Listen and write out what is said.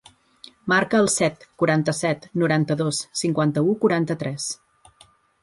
Marca el set, quaranta-set, noranta-dos, cinquanta-u, quaranta-tres.